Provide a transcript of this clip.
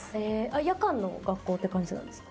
夜間の学校って感じなんですか？